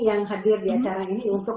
yang hadir di acara ini untuk